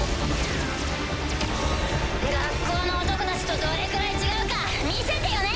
学校の男たちとどれくらい違うか見せてよね！